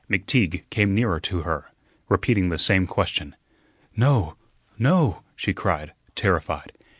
McTeague came nearer to her, repeating the same question. "No, no," she cried, terrified.